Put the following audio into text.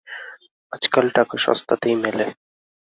আজকাল টাকা সস্তাতেই মেলে।